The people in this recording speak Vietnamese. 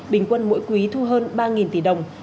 bình quân mỗi quý thu hơn ba tỷ đồng